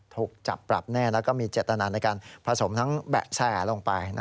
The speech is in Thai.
ถูกจับปรับแน่แล้วก็มีเจตนาในการผสมทั้งแบะแสลงไป